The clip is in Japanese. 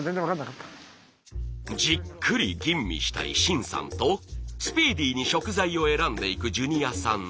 じっくり吟味したい愼さんとスピーディーに食材を選んでいくジュニアさん。